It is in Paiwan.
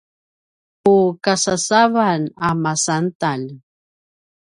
pukasasavan a masantalj